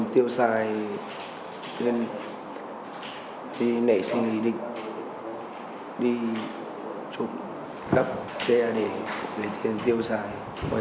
trong năm hai nghìn ba văn đinh tiến trung sinh năm hai nghìn tám